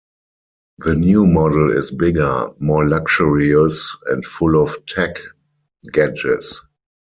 The new model is bigger, more luxurious and full of tech gadgets.